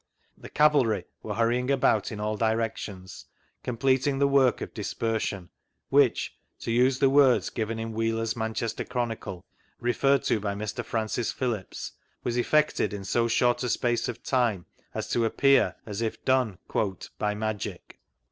The cavalry were hurrying about in all directions, completing the work of dispersion, which — to use the words given in Wheeler's Manchester Chronicle, referred to by vGoogIc i8 THREE ACCOUNTS OF PETERLOO Mr. Ftancis Phillips— was effected in so short a space c^ time as to aj^vear as if done " by magic."